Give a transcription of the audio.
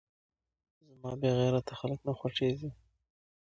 زما بې غيرته خلک نه خوښېږي .